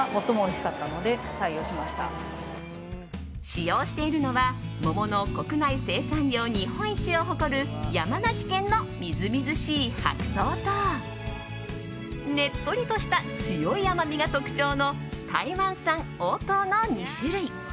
使用しているのは桃の国内生産量日本一を誇る山梨県のみずみずしい白桃とねっとりとした強い甘みが特徴の台湾産黄桃の２種類。